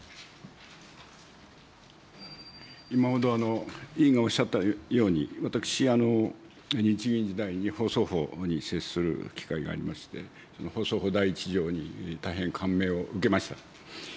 今ほど委員がおっしゃったように、私、日銀時代に放送法に接する機会がありまして、放送法第１条に大変感銘を受けました。